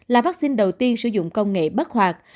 là vaccine đầu tiên sử dụng công nghệ bắt hoạt